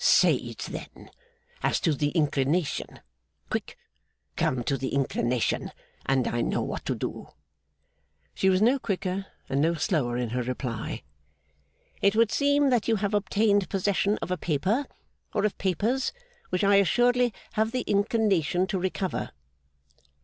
'Say it then. As to the inclination. Quick! Come to the inclination, and I know what to do.' She was no quicker, and no slower, in her reply. 'It would seem that you have obtained possession of a paper or of papers which I assuredly have the inclination to recover.